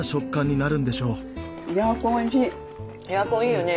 ヤーコンいいよね。